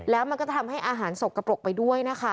แล้วมันก็จะทำให้อาหารสกปรกไปด้วยนะคะ